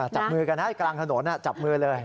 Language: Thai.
จับมือกันให้กลางถนนจับมือเลย